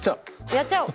やっちゃおう！